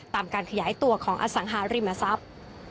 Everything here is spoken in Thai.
การขยายตัวของอสังหาริมทรัพย์